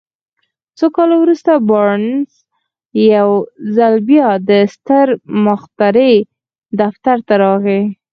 څو کاله وروسته بارنس يو ځل بيا د ستر مخترع دفتر ته راغی.